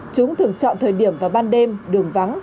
chúng thường chọn thời điểm vào ban đêm đường vắng